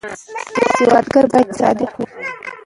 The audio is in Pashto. سوداګر باید صادق وي.